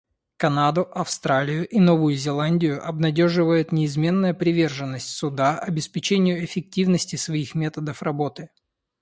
Канаду, Австралию и Новую Зеландию обнадеживает неизменная приверженность Суда обеспечению эффективности своих методов работы.